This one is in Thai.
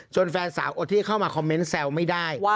แฟนสาวอดที่จะเข้ามาคอมเมนต์แซวไม่ได้